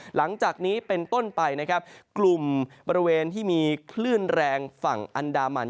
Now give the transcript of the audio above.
หลังจากนี้เป็นต้นไปนะครับกลุ่มบริเวณที่มีคลื่นแรงฝั่งอันดามัน